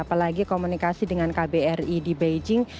apalagi komunikasi dengan kbri di beijing